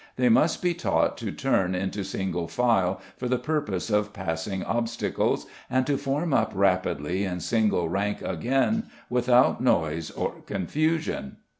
They must be taught to turn into single file for the purpose of passing obstacles, and to form up rapidly in single rank again without noise or confusion.